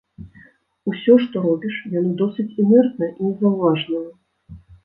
Усё што робіш, яно досыць інэртнае і незаўважнае.